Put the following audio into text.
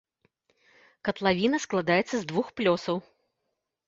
Катлавіна складаецца з двух плёсаў.